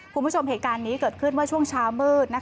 คุณผู้ชมเหตุการณ์นี้เกิดขึ้นเมื่อช่วงเช้ามืด